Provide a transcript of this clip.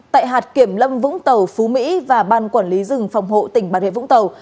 tại hạt kiểm lâm vũng tàu phú mỹ và ban quản lý rừng phòng hộ tỉnh bà rịa vũng tàu